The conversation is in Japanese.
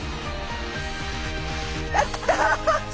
やった！